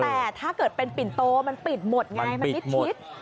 แต่ถ้าเกิดเป็นปิ่นโตมันปิดหมดไงมันมิดชิด